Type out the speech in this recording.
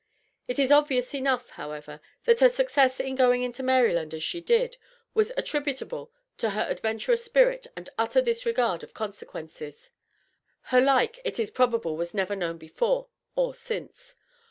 It is obvious enough, however, that her success in going into Maryland as she did, was attributable to her adventurous spirit and utter disregard of consequences. Her like it is probable was never known before or since.